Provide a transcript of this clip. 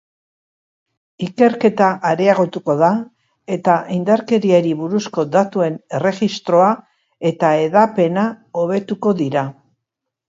Ikerketa areagotuko da, eta indarkeriari buruzko datuen erregistroa eta hedapena hobetuko dira.